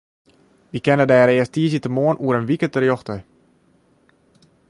Wy kinne dêr earst tiisdeitemoarn oer in wike terjochte.